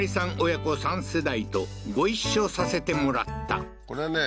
親子３世代とご一緒させてもらったこれね